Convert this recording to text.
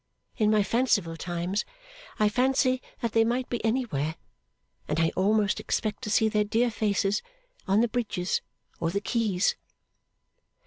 In my fanciful times, I fancy that they might be anywhere; and I almost expect to see their dear faces on the bridges or the quays.